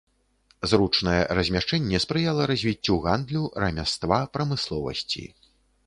Зручнае размяшчэнне спрыяла развіццю гандлю, рамяства, прамысловасці.